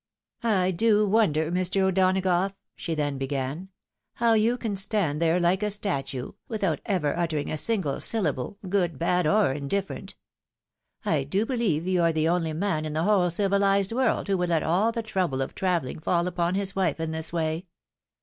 " I do wonder, Mr. O'Donagough," she then began, " how you can stand there like a statue, without ever uttering a single syllable, good, bad, or indifferent ! I do believe you are the only man in the whole civilised world who would let all the trouble of travelling fall upon his wife in this way.